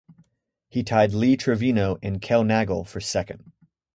He tied Lee Trevino and Kel Nagle for second.